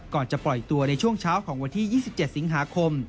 ก่อนจะปล่อยตัวในช่วงเช้าของวันที่๒๗สิงหาคม